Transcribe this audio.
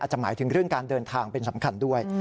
จะหมายถึงเรื่องการเดินทางเป็นสำคัญด้วย